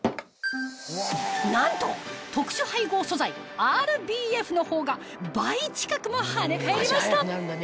なんと特殊配合素材ＲＢＦの方が倍近くも跳ね返りました